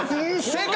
正解。